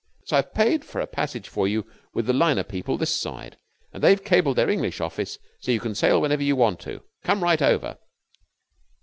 So I have paid for a passage for you with the liner people this side, and they have cabled their English office, so you can sail whenever you want to. Come right over.